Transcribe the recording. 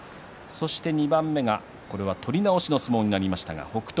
２番目が取り直しの相撲になりましたが北勝